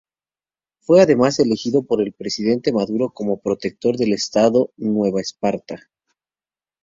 Fue además elegido por el presidente Maduro como Protector del estado Nueva Esparta.